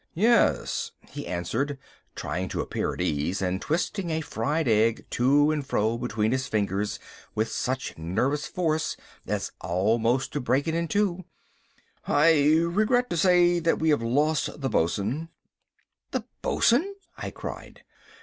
"Yes," he answered, trying to appear at ease and twisting a fried egg to and fro between his fingers with such nervous force as almost to break it in two—"I regret to say that we have lost the bosun." "The bosun!" I cried.